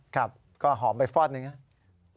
ครับก็หอมไปฟอดนึงนะ